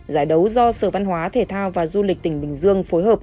giải đấu do sở văn hóa thể thao và du lịch tỉnh bình dương phối hợp